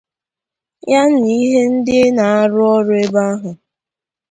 ya na ihe ndị na-arụ ọrụ ebe ahụ